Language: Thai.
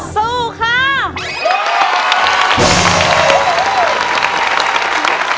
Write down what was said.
สู้ค่ะ